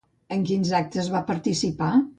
En quins actes va participar?